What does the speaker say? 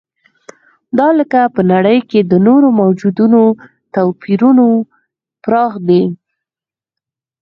دا لکه په نړۍ کې د نورو موجودو توپیرونو پراخ دی.